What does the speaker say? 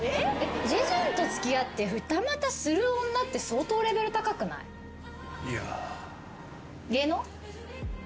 ジェジュンと付き合って２股する女って相当レベル高くない？いや。